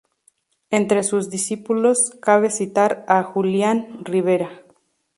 Entre sus discípulos cabe citar a Julián Ribera.